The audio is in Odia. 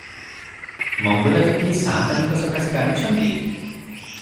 ମଙ୍ଗରାଜ କି ସାଆନ୍ତାଣୀଙ୍କ ସକାଶେ କାନ୍ଦୁଛନ୍ତି?